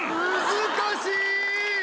難しい。